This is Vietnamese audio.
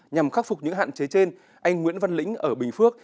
nhằm khắc phục những hạn chế trên anh nguyễn văn lĩnh ở bình phước